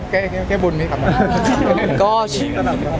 แค่บุญมีกลับมา